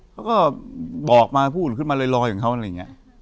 เขาก็บอกมาพูดขึ้นมาลอยของเขาอะไรอย่างนี้